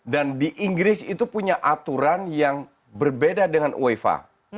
dan di inggris itu punya aturan yang berbeda dengan uefa